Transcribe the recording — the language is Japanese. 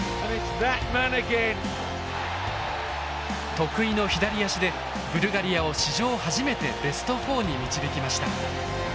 得意の左足でブルガリアを史上初めてベスト４に導きました。